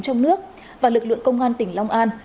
trong nước và lực lượng công an tỉnh long an